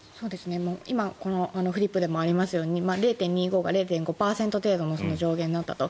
今、このフリップでもありますように０．２５が０．５％程度の上限になったと。